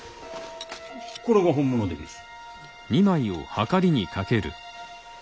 これが本物でげす。